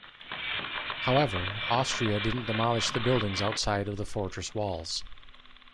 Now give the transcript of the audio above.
However, Austria didn't demolish the buildings outside of the fortress walls.